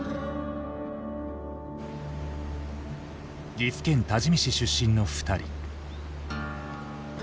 岐阜県多治見市出身の二人。